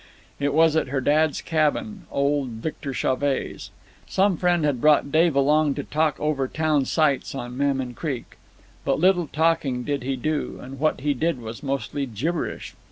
It was at her dad's cabin, old Victor Chauvet's. Some friend had brought Dave along to talk over town sites on Mammon Creek. But little talking did he do, and what he did was mostly gibberish.